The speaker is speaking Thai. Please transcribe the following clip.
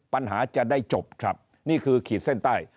ปัญหาจะได้จบครับนี่คือขีดเส้นใต้